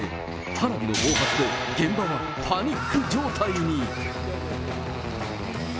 花火の暴発と、現場はパニック状態に。